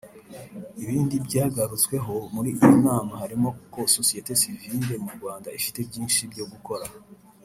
Ibindi byagarutsweho muri iyi nama harimo ko sosiyete sivile mu Rwanda ifite byinshi byo gukora